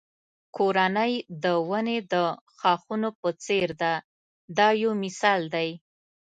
کورنۍ د ونې د ښاخونو په څېر ده دا یو مثال دی.